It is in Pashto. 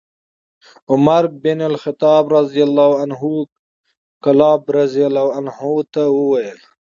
عمر بن الخطاب رضي الله عنه کلاب رضي الله عنه ته وویل: